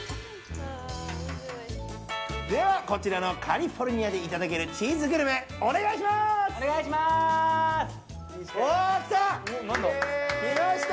ではこちらのカリフォルニアでいただけるチーズグルメ、お願いします。来た！来ました！